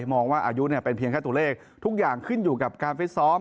มองว่าอายุเป็นเพียงแค่ตัวเลขทุกอย่างขึ้นอยู่กับการฟิตซ้อม